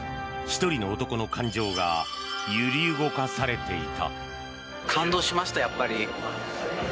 １人の男の感情が揺り動かされていた。